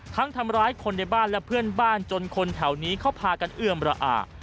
ทำร้ายคนในบ้านและเพื่อนบ้านจนคนแถวนี้เขาพากันเอื้อมระอา